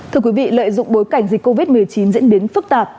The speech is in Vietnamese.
thưa quý vị lợi dụng bối cảnh dịch covid một mươi chín diễn biến phức tạp